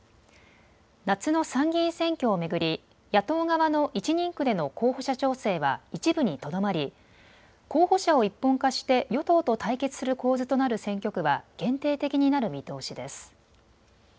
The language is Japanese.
夏の参議院選挙を巡り野党側の１人区での候補者調整は一部にとどまり候補者を一本化して与党と対決する構図となる選挙区は限定的になる見通しです。